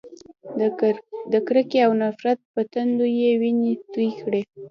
د کرکې او نفرت په تندو یې وینې تویې کړې.